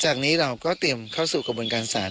จากนี้เราก็เตรียมเข้าสู่กระบวนการศาล